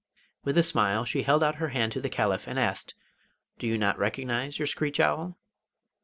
With a smile she held out her hand to the Caliph, and asked: 'Do you not recognise your screech owl?